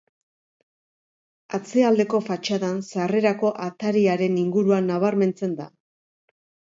Atzealdeko fatxadan sarrerako atariaren ingurua nabarmentzen da.